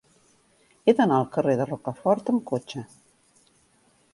He d'anar al carrer de Rocafort amb cotxe.